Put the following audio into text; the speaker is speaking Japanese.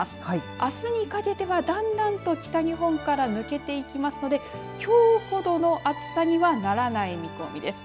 あすにかけては、だんだんと北日本から抜けていきますのできょうほどの暑さにはならない見込みです。